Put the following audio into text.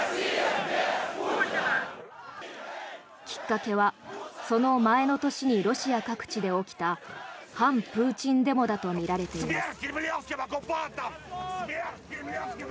きっかけはその前の年にロシア各地で起きた反プーチンデモだとみられています。